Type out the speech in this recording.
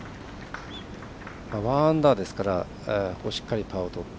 １アンダーですからしっかりパーをとって。